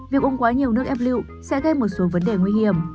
việc uống quá nhiều nước ép lựu sẽ gây một số vấn đề nguy hiểm